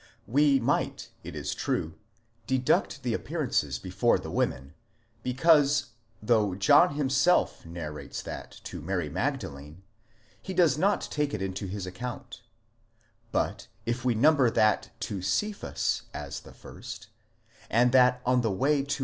We might, it is true, deduct the appearances before the women, because, though John himself narrates that to Mary Magdalene, he does not take it into his account ; but if we number that to Cephas as the first, and that on the way to.